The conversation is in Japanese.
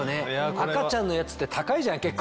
赤ちゃんのやつって高いじゃん結構。